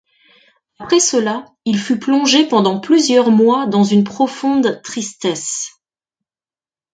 Après cela, il fut plongé pendant plusieurs mois dans une profonde tristesse.